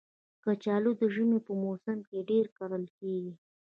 کچالو د ژمي په موسم کې ډېر کرل کېږي